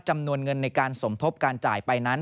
จำนวนเงินในการสมทบการจ่ายไปนั้น